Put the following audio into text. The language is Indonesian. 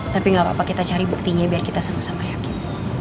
tapi gak apa apa kita cari buktinya biar kita sama sama yakin